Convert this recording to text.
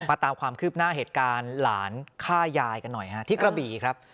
ตามความคืบหน้าเหตุการณ์หลานฆ่ายายกันหน่อยฮะที่กระบี่ครับ